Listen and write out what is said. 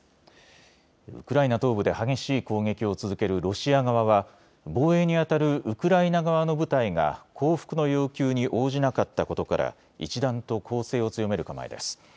ウクライナ東部で激しい攻撃を続けるロシア側は防衛にあたるウクライナ側の部隊が降伏の要求に応じなかったことから一段と攻勢を強める構えです。